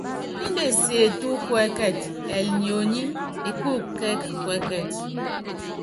Indɛ esietu kuɛ́kɛt, ɛɛli nyonyí ekúuku kɛ́k kuɛ́kɛt.